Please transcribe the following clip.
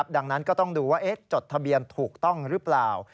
ดังนั้นก็ต้องดูว่าจดทะเบียนถูกต้องหรือเปล่า